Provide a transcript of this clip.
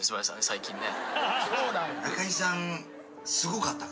最近ね。